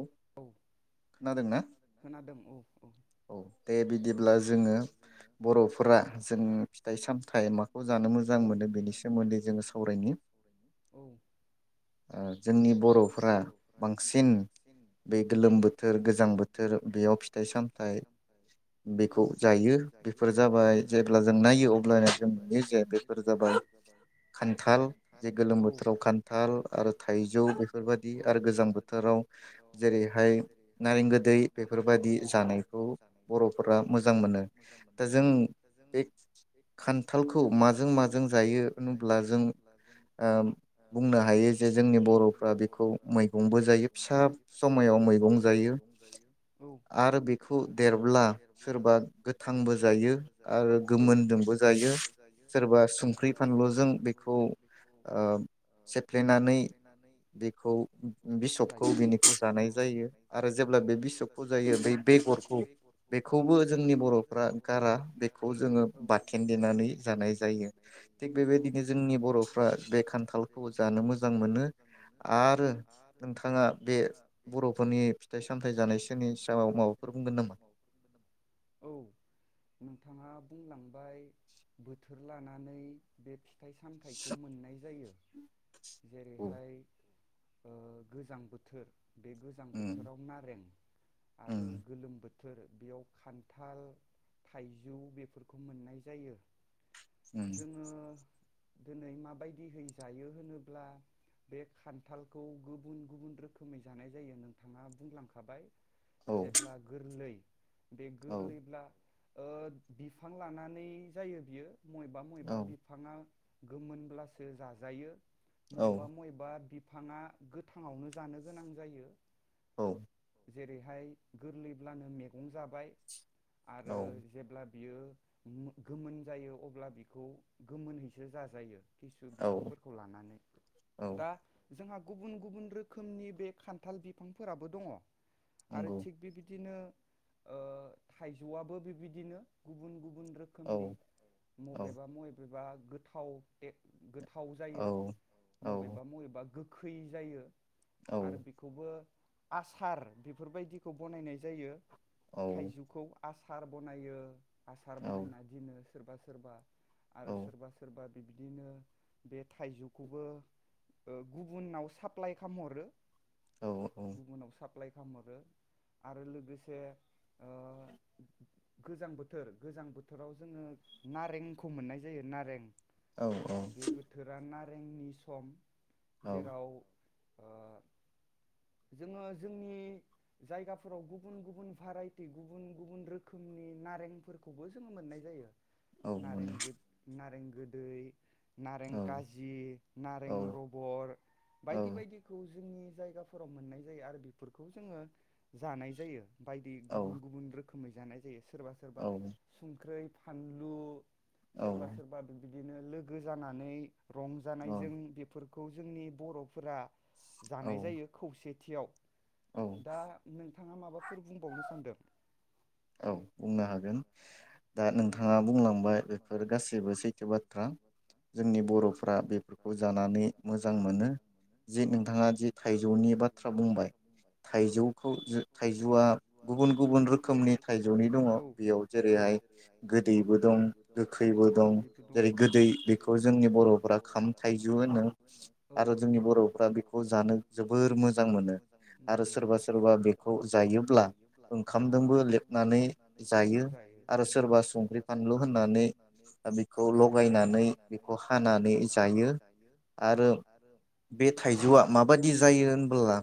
औ खोनादों ना? खोनादों औ। औ दे बिदिब्ला जोङो बर'फोरा जों फिथाइ सामथाइ माखौ जानो मोजां मोनो बेनि सोमोन्दै जोङो सावरायनि। जोंनि बर'फोरा बांसिन बे गोलोम बोथोर गोजां बो थोर बेयाव फिथाइ साम थाय बेखौ जायो बेफोर जाबाय जेब्ला जों नायो अब्लानो जों नुयो जे बेफोर जाबाय खान्थाल जे गोलोम बोथोराव खान्थाल आरो थाइजौ बेफोरबादि आरो गोजां बोथोराव जेरैहाय नारें दैै बेफोरबादि जानाय बर'फोरा मोजां मोनो। दा जों बे खान्थालखौ माजों माजों जायो होनोब्ला जों ओ बुंनो हायो जे जोंनि बर'फ्रा बेखौ मैगंबो जायो फिसा समायाव मैगं जायो। आरो बे खौ देरब्ला सोरबा गोथांबो जायो आरो गोमोनदोंबो जायो सोरबा संख्रि फानलुजों बेखौ ओ सेफ्लेनानै बेखौ बिसबखौ बेनिखौ जानाय जायो आरो जे दा बे बिसबखौ जायो बै बेगरखौ बेखौबो जोंनि बर'फ्रा गारा बेखौ जोङो बाथेन देनानै जानाय जायो। थिग बेबायदिनो जोंनि बर'फ्रा बे खान्थालखौ जानो मोजां मोनो आरो नोंथाङा बे बर'फोरनि फिथाइ साम थाइ जानायसोनि सायाव माबा औ नोंथाङा बुंलांबाय बोथोर लानानै बे फिथाइ सामथाइखौ मोननाय जायो। जेरैहाय ओ गोजां बोथोर बे गोजां बोथोराव ना आरो गोलोम बोथोर बेयाव खान्थाल, थाइजौ बेफोरखौ मोननाय जायो। जोङो दिनै माबायदिहै जायो होनोब्ला बे खान्थालखौ गुबुन गुबुन रोखोमै जानाय जायो नोंथाङा बुंलां खाबाय जेब्ला गोरलै बे गोरलैब्ला ओ बिफां लानानै जायो बियो मबेबा मबेबा बिफाङा गोमोनब्लासो जाजायो। मयबा मयबा बि फाङा गोथाङावनो जानो गोनां जायो। औ जेरैहाय गोरलैब्लानो मैगं जाबाय आरो जेब्ला बियो मो गोमोन जायो अब्ला बिखौ गोमोनैसो जाजायो। खिसु बिफांफोरखौ लानानै दा जोंहा गुबुन गुबुन रोखोमनि बे खान्थाल बिफांफोराबो दङ आरो थिग बेबादिनो ओ थाइजौआबो बेबायदिनो गुबुन गुबुन गुबुन रोखोमनि बबेबा बबेबा गोथाव बे थाव जायो बबेबा बबेबा गो खै जायो आरो बेखौबो आ थार बेफोरबायदिखौ बनायनाय जायो थाइजौखौ आसार बनायो आसार बनायना जोङो सोरबा सोरबा आरो सोरबा सोरबा बिबदिनो बे थाइजौखौबो गुबुनाव साप्लाय खालामहरो औ औ साप्लाइ खालामहरो आरो लोगोसे ओ गोजां बोथोर गोजां बोथोराव जोङो नारेंखौ मोननाय जायो नारें आरो बे बोथोरा ना नि सम जेराव ओ जोङो जोंनि जायगाफोराव गुबुन गुबुन भाराइटि गुबुन गुबुन रोखोमनि नारेंफोरखौबो जोङो मोननाय जायो। नारेंगो नारें गोदै नारें काजि नारें रबर बायदि बायदिखौ जोंनि जायगाफोराव मोननाय जायो आरो फोरफोरखौ जोङो जानाय जायो बायदि गुबुन गुबुन रो रोखोमै जानाय जायो सोरबा सोरबा संख्रै फान्लु सोरबा सोरबा बिदि बिदिनो लोगो जानानै रंजानायजों बेफोर खौ जोंनि बर'फोरा जानाय जायो खौसे थियाव दा नोंथाङा माबा फोर बुंबावनो सानदों औ बुंनो हागोन दा नोंथां थाङा बुंलांबाय बेफोर गासैबो सैथो बाथ्रा जोंनि बर'फ्रा बेफोरखौ जानानै मोजां मोनो जि नोंथाङा जि थाइजौनि बाथ्रा बुंबाय थाइजौखौ थाइजौआ गुबुन गुबुन रोखोमनि जौनि दङ बेयाव जेरैहाय गोदै [unintelligible] बो दं [unintelligible] औ [unintelligible] मोजां मोना आरो सोरबा सोरबा बेखौ जायोब्ला औ नानै जायो आरो सोरबा संख्रि फानलु होननानै बेखौ लगायनानै बेखौ हानानै जायो आरो बे थाइजौआ माबादि जायो होनबोला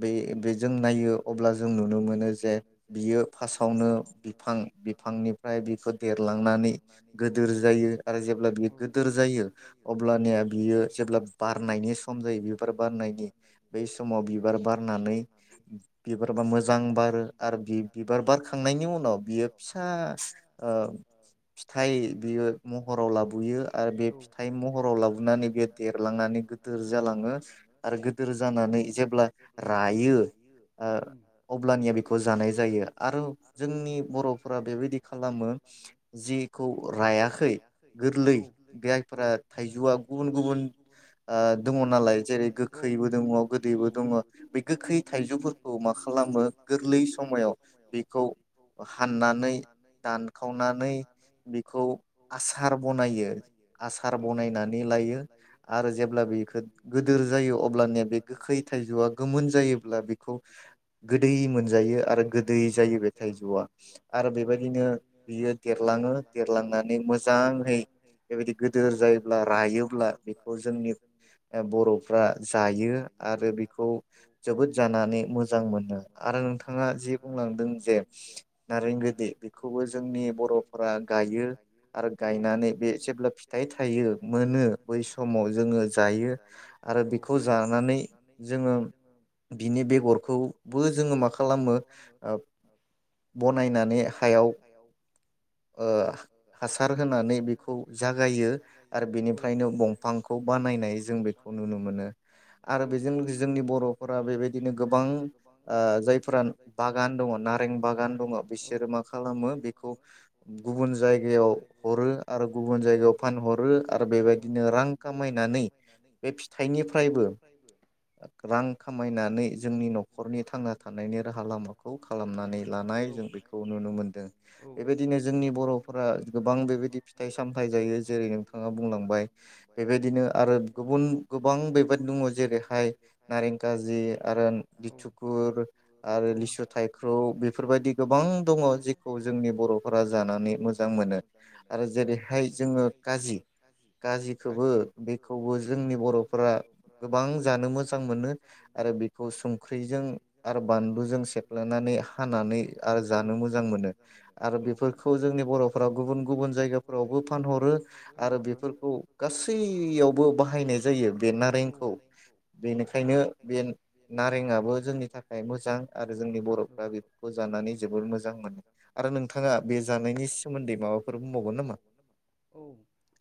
बे बेजों नायो अब्ला जों नुनो मोनो जे बियो फार्स्टआवनो बिफां बिफांनिफ्राय बिफोर देरलांनानै गोदोर जायो आरो जेब्ला बियो गोदोर जायो अब्लानिया बियो जेब्ला बारनायनि सम जायो बिबार बारनायनि बै समाव बिबार बारनानै बिबारबा मोजां बारो आरो बि बिबार बारखांनायनि उनाव बियो फिसा ओ फिथाय बियो महराव लाबोयो आरो बे फिथाय महराव लाबोनानै बियोे देरलांनानै गोदोर जालाङो आरो गोदोर जानानै जेबला रायो अब्लानिया बेखौ जानाय [unintelligible] आरो जोंनि बर'फोरा बेबायदि खालामो जिखौ रायाखै गोरलै जायफोरा थाइजौआ गुबुन गुबुन ओ दङ नालाय जेरै गोखैबो दङ गोदैबो दङ बे गोखै थाइजौफोरखौ मा खालामो गोरलै समायाव बिखौ हान्नानै दा खावनानै बेखौ आसार बनायो आसार बनायनानै लायो आरो जेब्ला बेखो गोदोर जायो अब्लानिया बे गोखै थाइजौआ गोमोन जायोब्ला बेखौ गोदै मोनजायो आरो दै जायो बे थाइजौआ आरो बेबायदिनो बियो देरलाङो देरलांनानै मोजांहै बेबायदि गोदोर जायोब्ला रायोब्ला बेखौ जोंनि बर'फ्रा जायो आरो बेखौ जोबोद जानानै मोजां मोनो आरो नोंथाङा जि बुंलांदों जे नारेंगोदै बेखौ खौबो जोंनि बर'फोरा गायो आरो गायनानै बे जेब्ला फिथाइ थायो मोनो बै समाव जोङो जायो आरो बेखौ जानानै जोङो बिनि बेग'रखौबो जोङो मा खालामो ओ बनायनानै हायाव ओ हासार होनानै बेखौ जागायो आरो बेनिफ्रायनो बंफांखौ बानायनाय जों बेखौ नुनो मोनो आरो बेजों जोंनि बर'फोरा बेबायदिनो गोबां ओ जायफ्रा बागान दङ, नारें बागान दङ, बिसोरो मा खालाम खामो बेखौ गुबुन जायगायाव हरो आरो गुबुन जायगायाव फानहरो आरो बेबायदिनो रां खामायनानै बे फिथाइनिफ्रायबो रां खामायनानै जोंनि न'खरनि थांना थानायनि राहा लामाखौ खौ खालामनानै लानाय जों बेखौ नुनो बेबायदिनो जोंनि बर'फोरा गोबां बेबायदि फिथाइ सामथाय जायो जेरै नोंथाङा बुंलांबाय बेबायदिनो आरो गुबुन गोबां बेबादि दङ जेरैहाय नारें काजि आरो लिथुखुर आरो लिसु थाइख्रौ बेफोरबादि गोबां दं दङ जेखौ जोंनि बर'फोरा जानानै मोजां मोनो आरो जेरैहाय जोङो काजि, काजिखौबो बेखौबो जोंनि बर'फोरा गोबां जानो मोजां मोनो आरो बेखौ संख्रिजों आरो बानलुजों सेब लानानै हानानै आरो जानो मोजां मोजां मोनो आरो बेफोरखौ जोंनि बर'फोरा गुबुन गुबुन जायगाफोरावबो फानहरो आरो बेफोरखौ गासैयावबो बाहायनाय जायो बे नारेंखौ। बेनिखायनो बे नारेंआबो जोंनि थाखाय मोजां आ जोंनि बर'फ्रा बेफोरखौ जानानै जोबोर मोजां औ। औ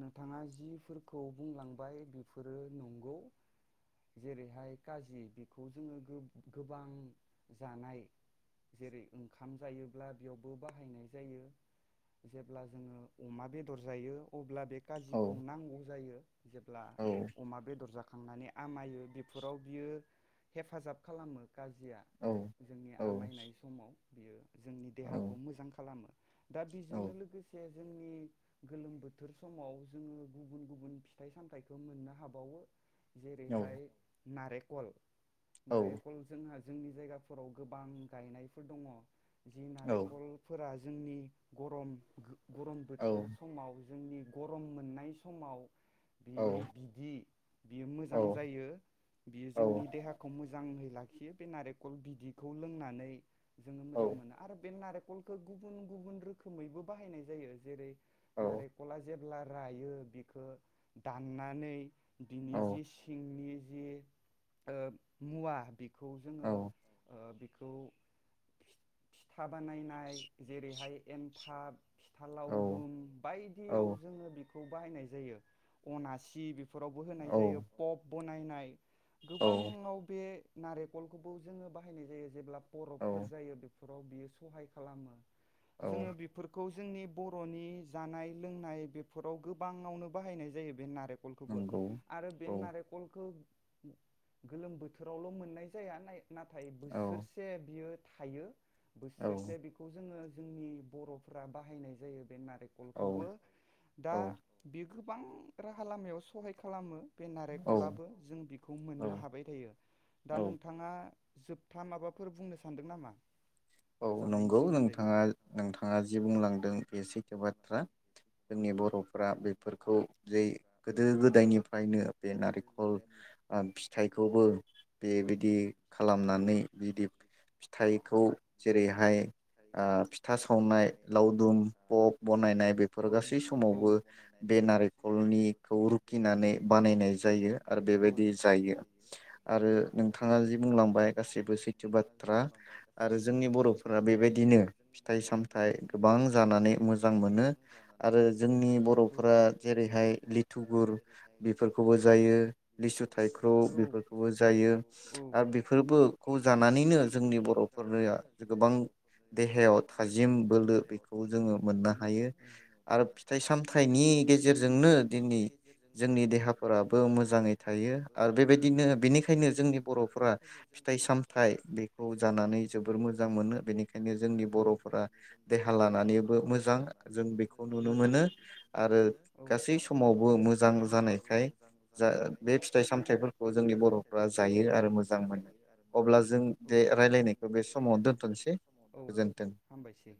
नोंथाङा जिफोरखौ बुंलांबाय बेफोरो नंगौ। जेरैहाय काजि बेखौ जोङो गोबां जानाय, जेरै ओंखाम जायोब्ला बेयावबो बाहायनाय जायो। जेब्ला जोङो अमा बेदर जायो, अब्ला बे काजिखौ नांगौ जायो। जेब्ला अमा बेदर जा खांनानै आमायो बेफोराव बियो हेफाजाब खालामो। काजिया जोंनि आमायनाय समाव बियो जोंनि देहाखौ मोजां खालामो। दा बिजोंनो लोगोसे जोंनि गोलोम बोथोर समाव जोङो गुबुन गुबुन फिथाइ सामथाइखो मोननो हाबावो। जेरैहाय नारेकल नारेकल जोंहा जोंनि जायगाफोराव गोबां गायनायफोर दङ'। जि नारेकलफोरा जोंनि गरम गो गरम बोथोर समाव जोंनि गरम मोननाय समाव बिनि बिदि बियो मोजां जायो। बियो जोंनि देहाखौ मो जाङै लाखियो बे नारेकल बिदिखौ लोंनानै जोङो मोजां मोना आरो बे नारेकलखो गुबुन गुबुन रोखोमैबो बाहायनाय जायो। जेरै नारेकला जेब्ला रायो बेखो दाननानै बिनि जि सिंनि जि ओ मुवा खौ जोङो ओ बि खौ फि था बानायनाय जेरैहाय एन्थाब फि था लावदुम बायदियाव जोङो बेखौ बाहायनाय जायो अनासि बे फोरावबो होनाय जायो पप बनायनाय गोबाङाव बे नारेकलखौबो जोङो बाहायनाय जायो जेब्ला बरफफोर जायो बे फोराव बियो सहाय खालामो। जोङो बेफोरखौ जोंनि बर'नि जानाय लोंनाय बेफोराव गोबाङावनो बाहायनाय जायो बे नारे लखोबो आरो बे नारेकलखो गोलोम बोथोरावल' मोननाय जाया नाय नाथाय बोसोरसे बियो थायो बोसोरसे बेखौ जोङो जोंनि बर'फोरा बाहायनाय जायो बे नारे लखौबो दा बि गोबां राहा लामायाव सहाय खालामो। बे नारेंकलाबो जों बेखौ मोननो हाबाय थायो दा नोंथाङा। जोबथा माबाफोर बुंनो सानदों नामा? औ नंगौ नोंथाङा नोंथाङा जि बुंलांदों। बे सैथो बाथ्रा जोंनि बर'फ्रा बेफोरखौ जै गोदो गोदायनिफ्रायनो। बे नारेंखल फिथाइखौबो। बेबायदि। खालामनानै बिदि। फिथाइखौ। जेरैहाय। ओ फिथा सावनाय लावदुम पप बनायनाय बेफोर गासै समावबो बे नारेंखलनिखौ रुखिनानै बानायनाय जायो आरो बेबायदि जायो आरो नोंथाङा जि बुंलांबाय गासैबो सैथो बाथ्रा आरो। जोंनि बर'फोरा बेबायदि। बिदिनो फिथाइ सामथाइ गोबां जानानै मोजां मोनो आरो जोंनि बर'फोरा जेरैहाय लिथु गुर बेफोरखौबो जायो लिसु थाइख्रौ बेफोरखौबो जायो आरो बेबोखौ जानानैनो जोंनि बर'फोरनो। गोबां देहायाव थाजिम बोलो बेखौ जोङो मोननो हायो आरो फिथाइ सामथाइनि गेजेरजोंनो दिनै जोंनि देहाफोराबो मोजाङै थायो आरो बेबायदिनो बेनिखायनो जोंनि बर'फोरा फिथाइ सामथायाइ बेखौ जानानै जो मोजां मोनो बे बेखायनो जोंनि बरफोरा देहा लानानैबो मोजां जों बेखौ नुनो मोनो आरो गासै समावबो मोजां जानायखाय जा बे फिथाइ सामथाइफोरखौ जोंनि बरफ्रा जायो आरो मोजां मोनो अब्ला जों बे रायलायनाय सम दोनथनसै। औ हामबायसैै।